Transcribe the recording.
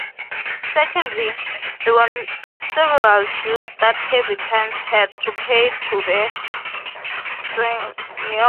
Secondly, there were several dues that habitants had to pay to the seigneur.